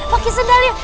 pakai sandal ya